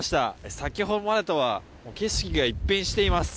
先ほどまでとは景色が一変しています。